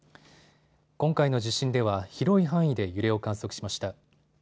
今回の地震では広い範囲で揺れを観測しました。